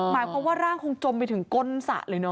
หมายความว่าร่างคงจมไปถึงก้นสระเลยเนอ